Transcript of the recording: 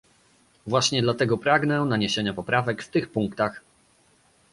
Właśnie dlatego pragnę naniesienia poprawek w tych punktach